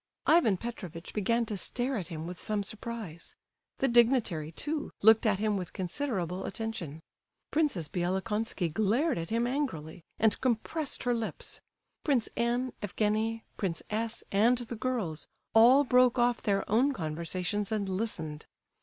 Ivan Petrovitch began to stare at him with some surprise; the dignitary, too, looked at him with considerable attention; Princess Bielokonski glared at him angrily, and compressed her lips. Prince N., Evgenie, Prince S., and the girls, all broke off their own conversations and listened.